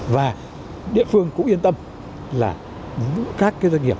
và địa phương cũng yên tâm là các doanh nghiệp